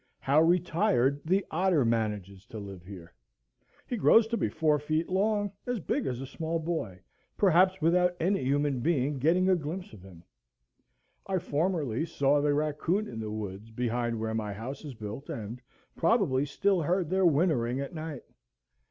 How retired the otter manages to live here! He grows to be four feet long, as big as a small boy, perhaps without any human being getting a glimpse of him. I formerly saw the raccoon in the woods behind where my house is built, and probably still heard their whinnering at night.